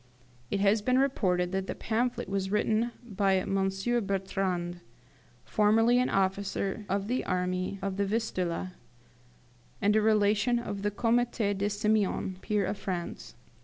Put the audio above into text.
It has been reported that the pamphlet was written by M. Bertrand, formerly an officer of the army of the Vistula, and a relation of the Comte de Simeon, peer of France.